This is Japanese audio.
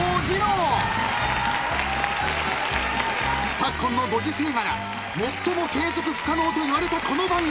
昨今のご時世柄最も継続不可能といわれたこの番組。